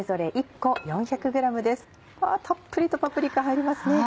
わぁたっぷりとパプリカ入りますね。